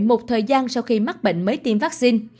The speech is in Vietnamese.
một thời gian sau khi mắc bệnh mới tiêm vaccine